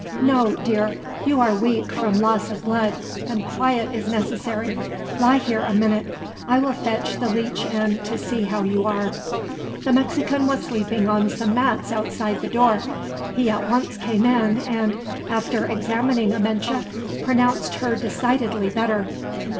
"No, dear. You are weak from loss of blood, and quiet is necessary. Lie here a minute. I will fetch the leech in, to see how you are." The Mexican was sleeping on some mats outside the door. He at once came in and, after examining Amenche, pronounced her decidedly better.